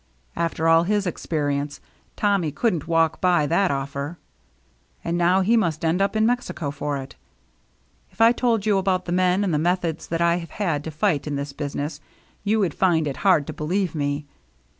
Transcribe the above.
After all his experience. Tommy couldn't walk by that offer, and now he must end up in Mexico for it. If I told you about the men and the methods that I have had to fight in this business, you would find it hard to believe me.